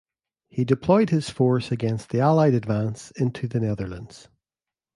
He deployed his force against the Allied advance into the Netherlands.